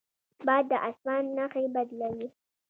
باد د اسمان نښې بدلوي